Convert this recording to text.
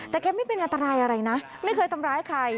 แต่แกไม่เป็นอันตรายอะไรนะไม่เคยทำร้ายใคร